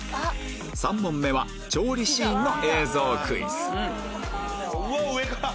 ３問目は調理シーンの映像クイズうわ上から！